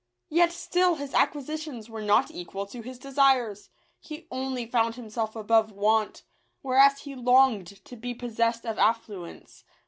Yet still his acquisi tions were not equal to his desires ; he only found himself above want, whereas he longed to be pos sessed of affluence.